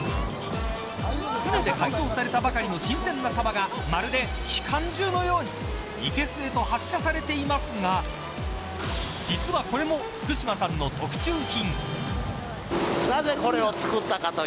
船で解凍されたばかりの新鮮なサバがまるで機関銃のようにいけすへと発射されていますが実はこれも福島さんの特注品。